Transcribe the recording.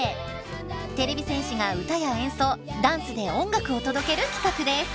てれび戦士が歌や演奏ダンスで音楽を届ける企画です。